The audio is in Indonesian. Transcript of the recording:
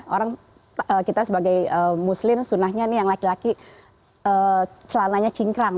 orang kita sebagai muslim sunnahnya nih yang laki laki celananya cingkrang